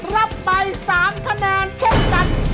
รับไป๓คะแนนเช่นกัน